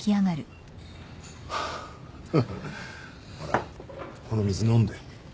ほらこの水飲んで。